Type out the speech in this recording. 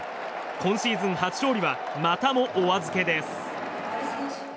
今シーズン初勝利はまたもお預けです。